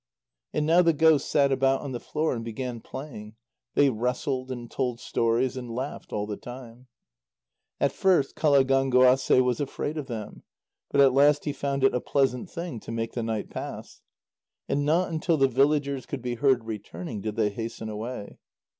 And now the ghosts sat about on the floor and began playing; they wrestled, and told stories, and laughed all the time. At first Qalagánguasê was afraid of them, but at last he found it a pleasant thing to make the night pass. And not until the villagers could be heard returning did they hasten away.